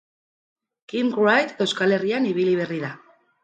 Kim Wright Euskal Herrian ibili berri da.